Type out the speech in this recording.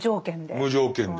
無条件で。